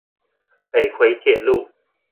北迴鐵路